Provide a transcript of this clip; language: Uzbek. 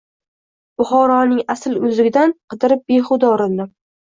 Buxoroning asl uzugidan qidirib behuda urindim.